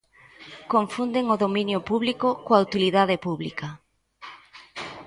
Confunden o dominio público coa utilidade pública.